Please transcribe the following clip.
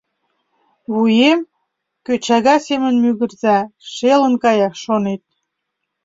Вуем кӧчага семын мӱгыра, шелын кая, шонет.